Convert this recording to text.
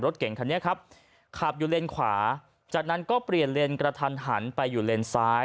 เก่งคันนี้ครับขับอยู่เลนขวาจากนั้นก็เปลี่ยนเลนกระทันหันไปอยู่เลนซ้าย